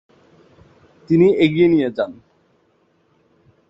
তিনি এগিয়ে নিয়ে যান।